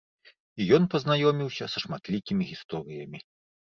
І ён пазнаёміўся са шматлікімі гісторыямі.